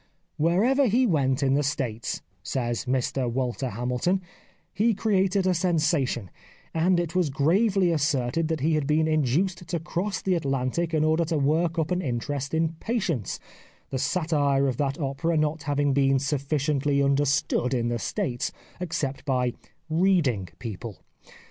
" Wherever he went in the States," says Mr Walter Hamilton, " he created a sensation, and it was gravely asserted that he had been induced to cross the Atlantic in order to work up an interest in '' Patience," the satire of that opera not having been sufficiently understood in the States except by reading people.